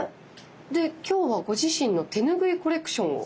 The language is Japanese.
で今日はご自身の手ぬぐいコレクションを。